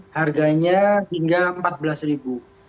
harganya hingga rp empat belas ribu